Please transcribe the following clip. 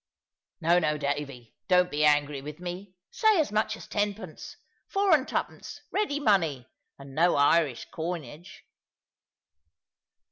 "No, no, Davy; don't be angry with me. Say as much as tenpence. Four and twopence, ready money; and no Irish coinage."